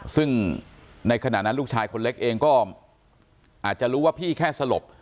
ซึ่งในขณะนั้นลูกชายคนเล็กเองก็อาจจะรู้ว่าพี่แค่สลบ